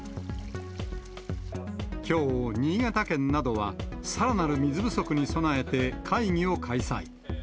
きょう、新潟県などはさらなる水不足に備えて会議を開催。